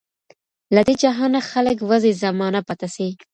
له دې جهانه خلک وزي زمانه پاته سي